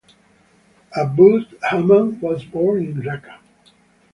Abood Hamam was born in Raqqa.